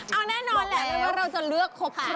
เอาแน่นอนแหละไม่ว่าเราจะเลือกครบคู่